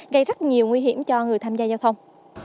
gây rất nhiều nguy hiểm cho người tham gia giao thông